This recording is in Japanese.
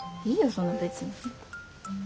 そんな別に。